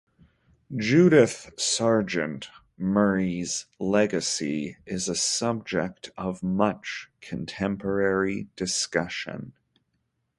Judith Sargent Murray's legacy is a subject of much contemporary discussion.